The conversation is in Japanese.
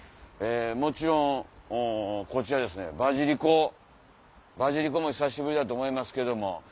もちろんこちらですねばじりこ。ばじりこも久しぶりだと思いますけども。